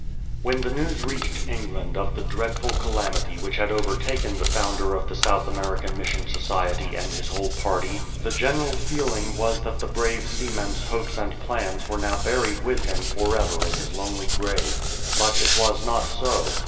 WHien the news reached England of the di'cadful calamity which had overtaken the founder of the South American Missionary Society and his whole party, the general feehng was that the brave seaman's hopes and plans were now buried with him for ever in his lonely grave. But it was not so.